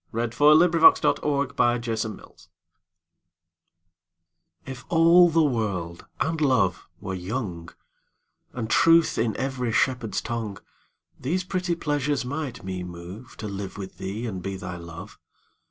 Her Reply (Written by Sir Walter Raleigh) IF all the world and love were young, And truth in every shepherd's tongue, These pretty pleasures might me moveTo live with thee and be thy Love.